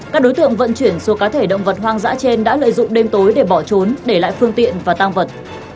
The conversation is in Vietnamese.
các đối tượng vận chuyển số cá thể động vật hoang dã trên đã lợi dụng đêm tối để bỏ trốn để lại phương tiện và tăng vật